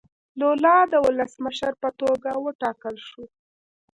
لولا د ولسمشر په توګه وټاکل شو.